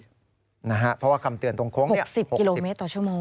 เพราะว่าคำเตือนตรงโค้ง๑๐กิโลเมตรต่อชั่วโมง